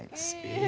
え！